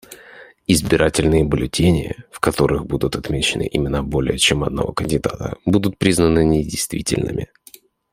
Избирательные бюллетени, в которых будут отмечены имена более чем одного кандидата, будут признаны недействительными.